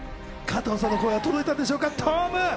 加藤さんの声が届いたんでしょうか、トム。